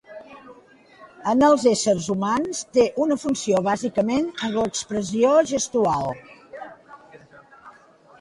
En els éssers humans té una funció bàsicament en l'expressió gestual.